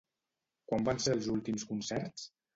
Quan van ser els últims concerts?